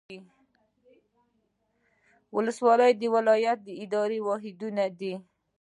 ولسوالۍ د ولایت اداري واحدونه دي